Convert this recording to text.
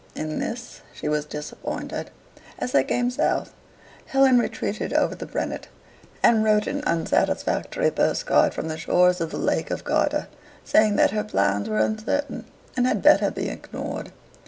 In this she was disappointed. As they came south, Helen retreated over the Brenner, and wrote an unsatisfactory postcard from the shores of the Lake of Garda, saying that her plans were uncertain and had better be ignored.